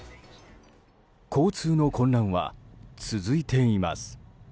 交通の混乱は続いています。